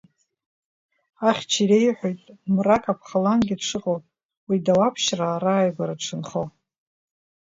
Ахьча иреиҳәоит Мра-каԥха лангьы дшыҟоу, уи Дауаԥшьраа рааигәара дшынхо.